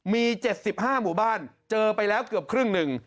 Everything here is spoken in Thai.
มี๗๕หมู่บ้านเจอไปแล้วเกือบครึ่งหนึ่ง